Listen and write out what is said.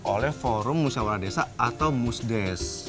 oleh forum musyawarah desa atau musdes